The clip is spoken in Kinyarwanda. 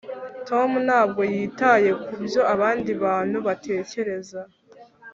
tom ntabwo yitaye kubyo abandi bantu batekereza